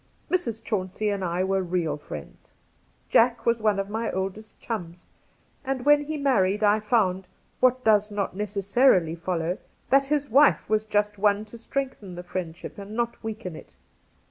Mrs. Chauncey and I were real fi iends. Jack was one of my oldest chums, and when he married I found — what does not necessarily follow — that his wife was just one to strengthen the friendship and not weaken it.